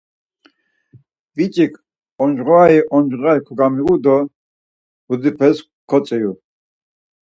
Biç̌ik oncğoyai oncğoyai kogamiğu do buçepes kotziru.